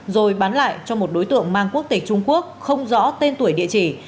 rồi bán lại cho một đối tượng mang quốc tịch trung quốc không rõ tên tuổi địa chỉ